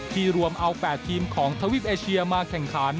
รวมเอา๘ทีมของทวีปเอเชียมาแข่งขัน